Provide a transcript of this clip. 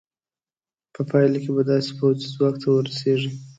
په پایله کې به داسې پوځي ځواک ته ورسېږې.